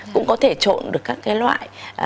cũng có thể trộn được các cái loại